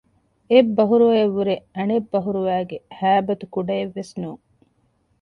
އެއް ބަހުރުވައަށް ވުރެ އަނެއް ބަހުރުވައިގެ ހައިބަތު ކުޑައެއްވެސް ނޫން